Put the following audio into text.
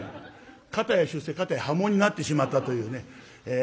片や出世片や破門になってしまったというね。